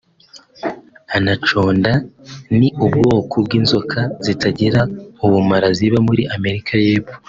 Anaconda’ ni ubwoko bw’inzoka zitagira ubumara ziba muri Amerika y’Epfo